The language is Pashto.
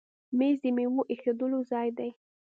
مېز د میوو ایښودلو ځای دی.